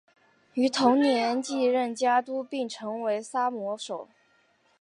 于同年继任家督并成为萨摩守。